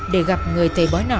để gặp người thầy bói nọ